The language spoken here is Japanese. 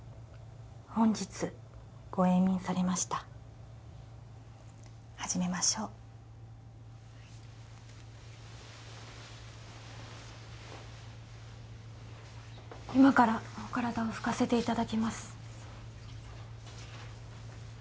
本日ご永眠されました始めましょう今からお体を拭かせていただきます